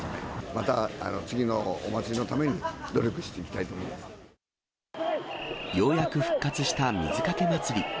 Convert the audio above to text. また次のお祭りのために、努力しようやく復活した水かけ祭り。